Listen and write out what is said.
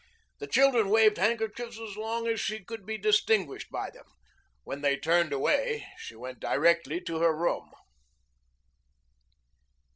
The children waved handkerchiefs as long as she could be distinguished by them. When they turned away she went directly to her room.